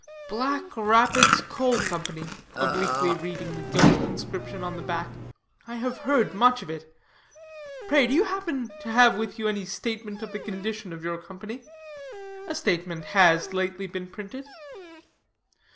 "Black Rapids Coal Company," obliquely reading the gilt inscription on the back; "I have heard much of it. Pray do you happen to have with you any statement of the condition of your company." "A statement has lately been printed."